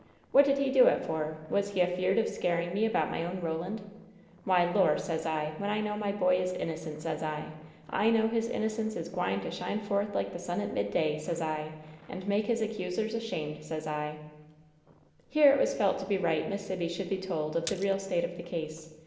What did he do it for ? Was he af eared of scaring me about my own Roland ? Why, Lor*, sez I, when I know my boy is innocent, sez I, I know his innocence is gwine to shine forth like the sun at midday, sez I, and make his ac cusers ashamed, sez I." Here it was felt to be right Miss Sibby should be told of the real state of the case.